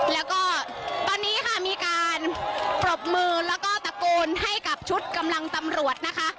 แล้วก็ตอนนี้ค่ะมีการปรบมือแล้วก็ตะโกนให้กับชุดกำลังตำรวจนะคะ